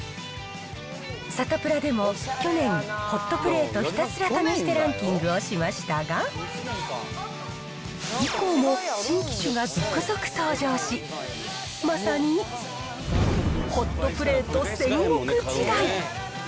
サタプラでも、去年、ホットプレートひたすら試してランキングをしましたが、以降も、新機種が続々登場し、まさに、ホットプレート戦国時代。